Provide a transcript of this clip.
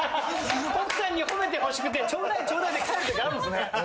奥さんに褒めてほしくてちょうだいちょうだいって帰るときあるんすね。